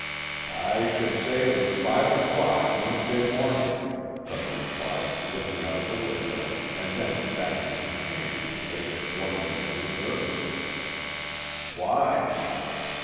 "I should say it was five o'clock, Wednesday morning," Tug replied, looking out at the window, and then back at his companion, as if wondering at his nervousness. "Why?"